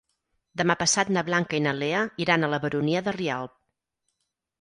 Demà passat na Blanca i na Lea iran a la Baronia de Rialb.